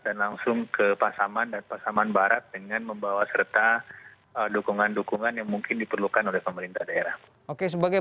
dan langsung ke pasaman dan pasaman barat dengan membawa serta dukungan dukungan yang mungkin diperlukan oleh pemerintah daerah